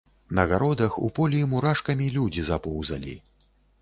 На гародах, у полі мурашкамі людзі запоўзалі.